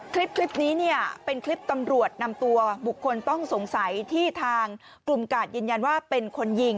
คลิปนี้เนี่ยเป็นคลิปตำรวจนำตัวบุคคลต้องสงสัยที่ทางกลุ่มกาดยืนยันว่าเป็นคนยิง